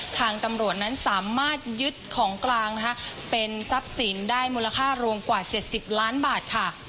ทางตำรวจนั้นสามารถยึดของกลางนะคะเป็นทรัพย์สินได้มูลค่ารวมกว่า๗๐ล้านบาทค่ะ